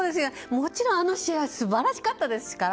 もちろん、あの試合は素晴らしかったですから。